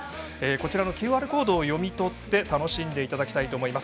こちらのＱＲコードを読み取って楽しんでいただきたいと思います。